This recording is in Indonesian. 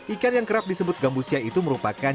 ikan yang kerap disebut gambusya itu merupakan